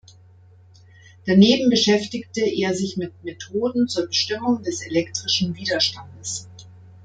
Daneben beschäftigte er sich mit Methoden zur Bestimmung des elektrischen Widerstandes.